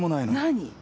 何？